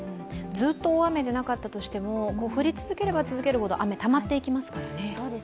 ずっと大雨でなかったとしても降り続ければ続けるほど雨がたまっていきますからね。